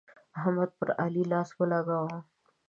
احمد پر علي لاس ولګاوو.